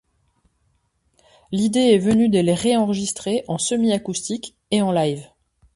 L'idée est venue de les réenregistrer en semi-acoustique et en live.